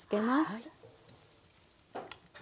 はい。